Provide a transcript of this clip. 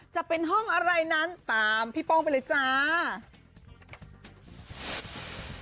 จะเป็นห้องอะไรนั้นตามพี่ป้องไปเลยจ้า